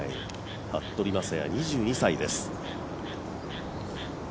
服部雅也、２２歳です。